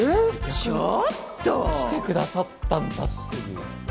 ちょっと！来てくださったんだっていう。